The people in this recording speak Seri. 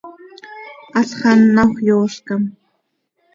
Halx anàxö yoozcam.